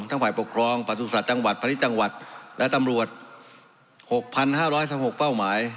ทั้งฝ่ายปกครองปรัติศาสตร์จังหวัดพลิกจังหวัดและตำรวจหกพันห้าร้อยสามหกเป้าหมาย